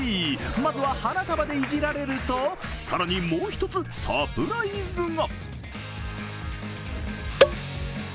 まずは花束でいじられると、更にもう一つサプライズが。